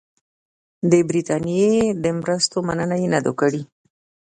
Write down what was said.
د برټانیې د مرستو مننه یې نه ده کړې.